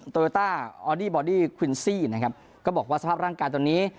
โยต้าออดี้บอดี้ควินซี่นะครับก็บอกว่าสภาพร่างกายตอนนี้